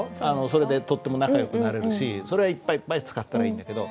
それでとっても仲良くなれるしそれはいっぱいいっぱい使ったらいいんだけど。